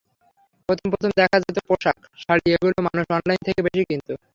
প্রথম প্রথম দেখা যেত পোশাক, শাড়ি—এগুলো মানুষ অনলাইন থেকে বেশি কিনত।